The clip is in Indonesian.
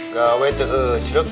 gawet tuh jeruk